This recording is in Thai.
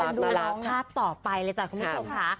ดูแล้วภาพต่อไปเลยจ้ะคุณผู้ชมค่ะ